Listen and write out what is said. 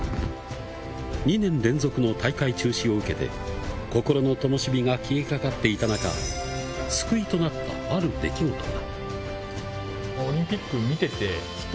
２年連続の大会中止を受けて、心の灯火が消えかかっていた中、救いとなった、ある出来事が。